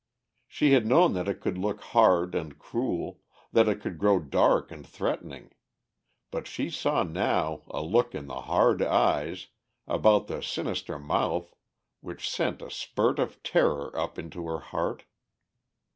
She had known that it could look hard and cruel, that it could grow dark and threatening. But she saw now a look in the hard eyes, about the sinister mouth, which sent a spurt of terror up into her heart.